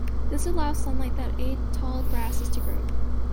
This allows sunlight that aids tall grasses to grow.